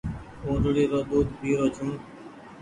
اُٽڙي رو ۮود پيرو ڇو۔